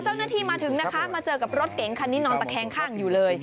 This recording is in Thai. เจ้าหน้าที่มาถึงนะคะมาเจอกับรถเก๋งคันนี้นอนตะแคงข้างอยู่เลย